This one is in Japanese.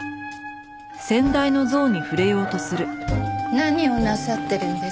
何をなさってるんです？